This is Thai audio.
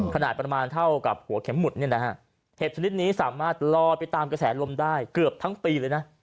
ขนาดประมาณเท่ากับหัวเข็มหมุดเนี่ยนะฮะเห็บชนิดนี้สามารถลอยไปตามกระแสลมได้เกือบทั้งปีเลยนะ